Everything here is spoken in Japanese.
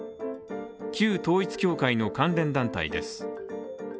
旧統一教会の関連団体です。